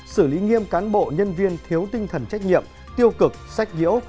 xử lý nghiêm cán bộ nhân viên thiếu tinh thần trách nhiệm tiêu cực sách nhiễu